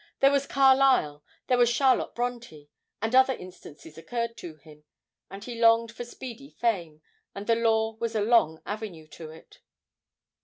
There was Carlyle, there was Charlotte Brontë, and other instances occurred to him. And he longed for speedy fame, and the law was a long avenue to it.